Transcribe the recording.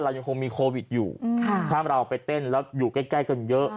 ยังคงมีโควิดอยู่ถ้าเราไปเต้นแล้วอยู่ใกล้กันเยอะ